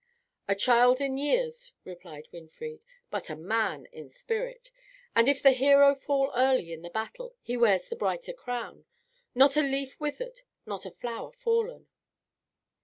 "A child in years," replied Winfried, "but a man in spirit. And if the hero fall early in the battle, he wears the brighter crown, not a leaf withered, not a flower fallen."